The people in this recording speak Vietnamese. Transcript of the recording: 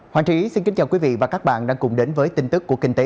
hoàng trí xin kính chào quý vị và các bạn đang cùng đến với tin tức của kinh tế